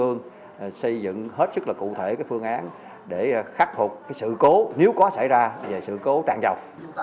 công ương xây dựng hết sức là cụ thể cái phương án để khắc hụt cái sự cố nếu có xảy ra về sự cố tràn dọc